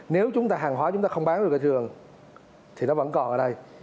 nếu chúng ta hàng hóa chúng ta không bán được cái thường thì nó vẫn còn ở đây